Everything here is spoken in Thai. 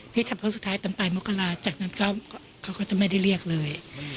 ทำครั้งสุดท้ายตอนปลายมกราจากนั้นเขาก็จะไม่ได้เรียกเลย